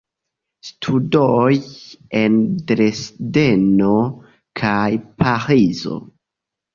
Studoj en Dresdeno kaj Parizo.